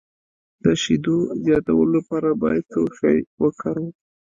د شیدو زیاتولو لپاره باید څه شی وکاروم؟